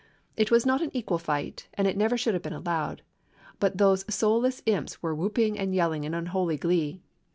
It was not an equal fight, and it never should have been allowed; but those soulless imps were whooping and yelling in unholy glee.